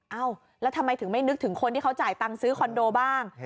เอ้าแล้วทำไมถึงไม่นึกถึงคนที่เขาจ่ายตังค์ซื้อคอนโดบ้าง